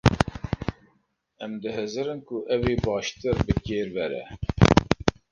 Em dihizirin ku ev ew ê baştir bi kêr were.